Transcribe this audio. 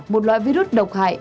một loại virus độc hại